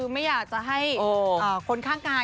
ไม่อยากจะให้คนข้างกาย